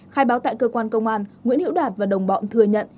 khai báo tại cơ quan công an nguyễn hiệu đạt và đồng bọn thừa nhận